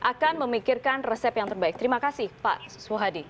akan memikirkan resep yang terbaik terima kasih pak suhadi